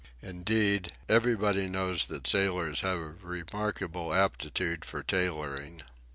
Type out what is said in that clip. Indeed, everybody knows that sailors have a remarkable aptitude for tailoring.